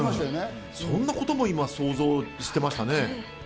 そんなことも今、想像してました。